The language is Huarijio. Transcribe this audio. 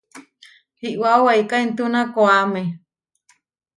Iʼwáo weiká intúna koʼáme.